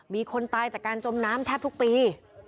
มีคนตายจากการจมน้ำแทบทุกปี